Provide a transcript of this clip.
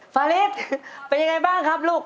ฟาริสเป็นยังไงบ้างครับลูก